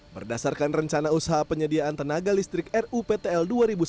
berdasarkan rencana usaha penyediaan tenaga listrik ruptl dua ribu sembilan belas dua ribu dua puluh delapan